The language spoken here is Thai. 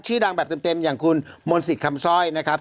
ชื่อดังแบบเต็มอย่างคุณมนต์สิทธิ์คำซ่อยนะครับ